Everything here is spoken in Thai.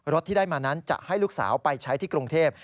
ที่ได้มานั้นจะให้ลูกสาวไปใช้ที่กรุงเทพ